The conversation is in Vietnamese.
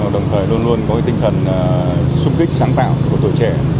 đồng thời luôn luôn có tinh thần sung kích sáng tạo của tuổi trẻ